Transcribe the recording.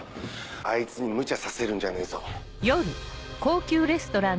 あいつにむちゃさせるんじゃねえぞ。